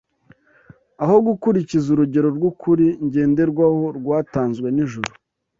Aho gukurikiza urugero rw’ukuri ngenderwaho rwatanzwe n’ijuru